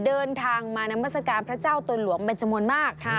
เดินทางมานามศการพระเจ้าตนหลวงเป็นจมนต์มากค่ะ